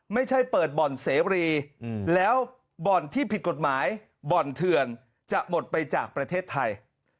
ไม่ใช่เปิดบ่อนเสรีแล้วบ่อนที่ผิดกฎหมายบ่อนเถื่อนจะหมดไปจากประเทศไทย